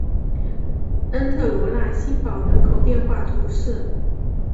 恩特罗讷新堡人口变化图示